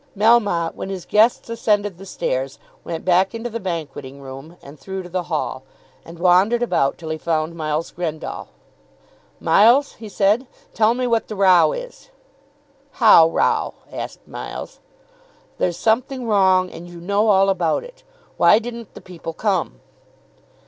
Melmotte, when his guests ascended his stairs, went back into the banqueting room and through to the hall, and wandered about till he found Miles Grendall. "Miles," he said, "tell me what the row is." "How row?" asked Miles. "There's something wrong, and you know all about it. Why didn't the people come?"